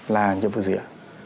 là nhiệm vụ gì ạ